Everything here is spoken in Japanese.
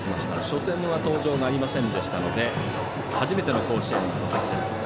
初戦は登場がありませんでしたので初めての甲子園の打席です。